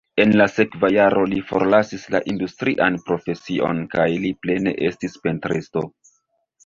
En la sekva jaro li forlasis la industrian profesion kaj li plene estis pentristo.